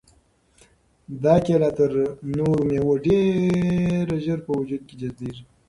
دا کیله تر نورو مېوو ډېر ژر په وجود کې جذبیږي.